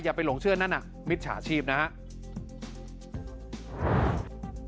อย่าไปหลงเชื่อนั่นน่ะมิจฉาชีพนะครับ